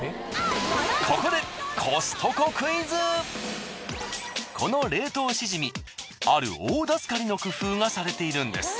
ここでこの冷凍しじみある大助かりの工夫がされているんです。